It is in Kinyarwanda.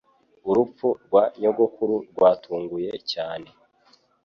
Urupfu rwa nyogokuru rwatunguye cyane.